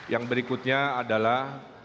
yang berikutnya adalah